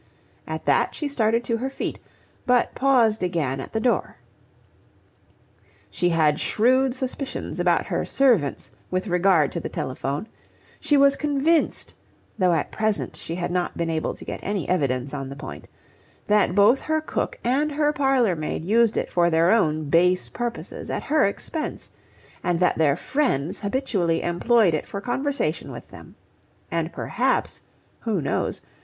At that she started to her feet, but paused again at the door. She had shrewd suspicions about her servants with regard to the telephone: she was convinced (though at present she had not been able to get any evidence on the point) that both her cook and her parlourmaid used it for their own base purposes at her expense, and that their friends habitually employed it for conversation with them. And perhaps who knows?